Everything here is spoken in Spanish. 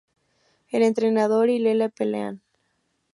El entrenador y Leela pelean.